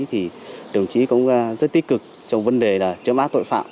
thì đồng chí cũng rất tích cực trong vấn đề là chữa mát tội phạm